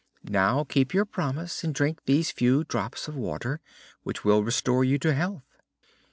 "Now keep your promise and drink these few drops of water, which will restore you to health."